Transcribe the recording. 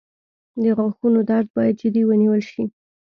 • د غاښونو درد باید جدي ونیول شي.